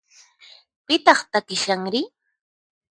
Pitaq takishanri?